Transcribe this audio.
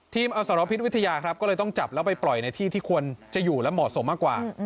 อสรพิษวิทยาครับก็เลยต้องจับแล้วไปปล่อยในที่ที่ควรจะอยู่และเหมาะสมมากกว่า